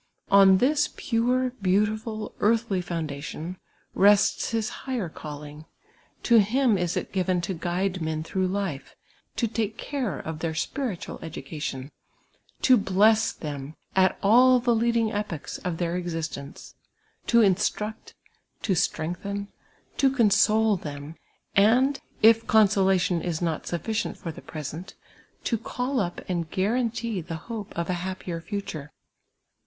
On this ])ure, beautiful, <»artldy foundation, rests his higher calling : to him is it given to guide men through life, to take care of their spiritual edu cation, to bless them at all the leading epochs of their exist ence, to instruct, to strengthen, to console them, and, if con solation is not sufTicient for the present, to call up and guaran tee the hoj)C of a happier future.